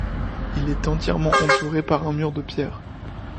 Il est entièrement entouré par un mur de pierre.